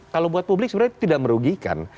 kalau buat publik sebenarnya itu tidak merugikan